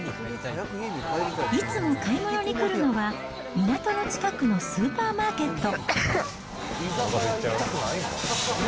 いつも買い物に来るのは、港の近くのスーパーマーケット。